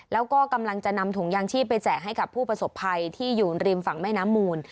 แล้วก็กำลังจะนำถุงยางชีพไปแจกให้กับผู้ประสบภัยที่อยู่ริมฝั่งแม่น้ำมูล